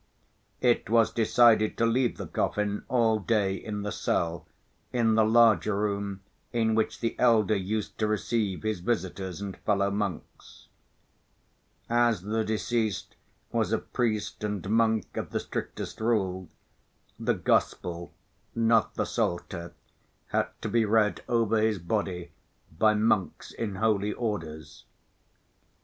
It was decided to leave the coffin all day in the cell, in the larger room in which the elder used to receive his visitors and fellow monks. As the deceased was a priest and monk of the strictest rule, the Gospel, not the Psalter, had to be read over his body by monks in holy orders.